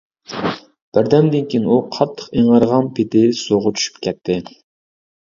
بىردەمدىن كېيىن ئۇ، قاتتىق ئىڭرىغان پېتى سۇغا چۈشۈپ كەتتى.